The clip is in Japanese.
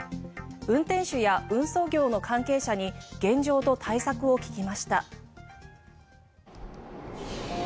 運転手や運送業の関係者に現状と対策を聞きました。